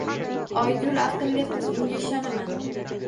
Oygul aqlli qiz, unga ishonaman.